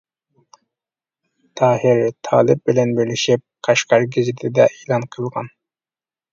تاھىر تالىپ بىلەن بىرلىشىپ «قەشقەر گېزىتى» دە ئېلان قىلغان.